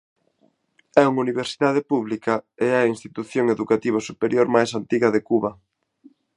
É unha universidade pública e é a institución educativa superior máis antiga de Cuba.